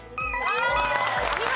お見事！